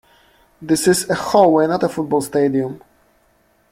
This is a hallway, not a football stadium!